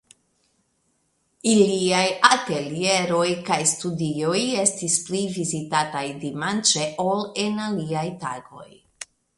Iliaj atelieroj kaj studioj estis pli vizitataj dimanĉe ol en aliaj tagoj.